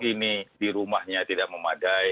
ini di rumahnya tidak memadai